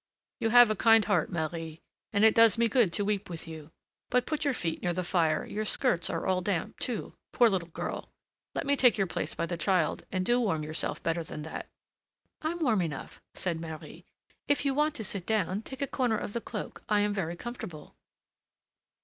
"You have a kind heart, Marie, and it does me good to weep with you. But put your feet near the fire; your skirts are all damp, too, poor little girl! Let me take your place by the child, and do you warm yourself better than that." "I'm warm enough," said Marie; "if you want to sit down, take a corner of the cloak; I am very comfortable."